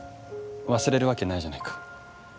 忘れるわけないじゃないか。